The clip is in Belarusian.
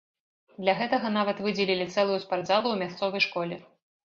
Для гэтага нават выдзелілі цэлую спартзалу ў мясцовай школе.